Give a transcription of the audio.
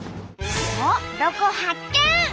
おっロコ発見！